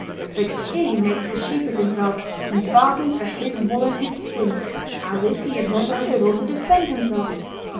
The king makes a sheep of himself and bargains for his wool and his skin, as if he had not wherewithal to defend himself.